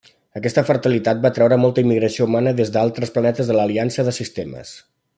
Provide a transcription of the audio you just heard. Aquesta fertilitat va atreure molta immigració humana des d'altres planetes de l'Aliança de Sistemes.